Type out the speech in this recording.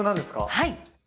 はい。